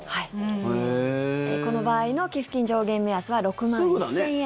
この場合の寄付金上限目安は６万１０００円。